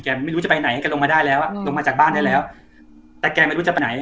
ไม่รู้จะไปไหนแกลงมาได้แล้วอ่ะลงมาจากบ้านได้แล้วแต่แกไม่รู้จะไปไหน